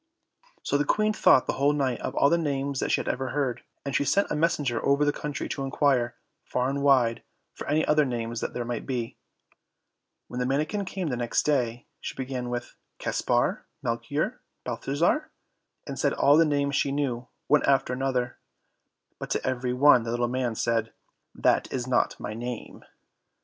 So the Queen thought the whole night of all the names that she had ever heard, and she sent a messenger over the country to inquire, far and wide, for any other names that there might be. When the manikin came the next day, she began with Caspar, Melchior, Balthazar, and said all the names she knew, one after another; but to every one the little man said, "That is not my name."